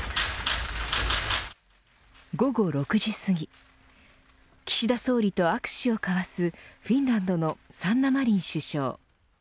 午後６時すぎ岸田総理と握手を交わすフィンランドのサンナ・マリン首相。